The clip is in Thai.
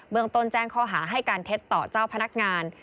เมืองต้นแจ้งข้อหาให้การเท็จต่อเจ้าพนักงาน